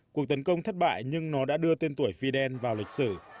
cuộc tấn công thất bại nhưng nó đã đưa tên tuổi fidel vào lịch sử